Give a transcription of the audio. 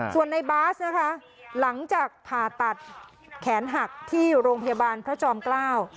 ส่วนในบาสนะคะหลังจากผ่าตัดแขนหักที่โรงพยาบาลพระจอมเกล้า